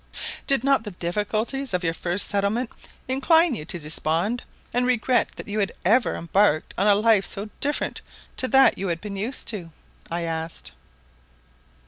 "Did not the difficulties of your first settlement incline you to despond, and regret that you had ever embarked on a life so different to that you had been used to?" I asked.